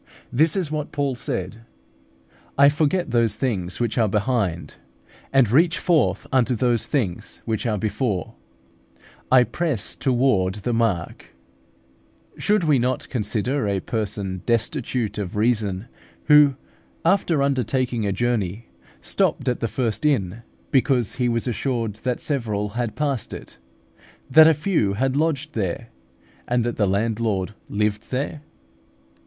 This is what Paul said, "I forget those things which are behind, and reach forth unto those things which are before; I press toward the mark" (Phil. iii. 13, 14). Should we not consider a person destitute of reason who, after undertaking a journey, stopped at the first inn, because he was assured that several had passed it, that a few had lodged there, and that the landlord lived there?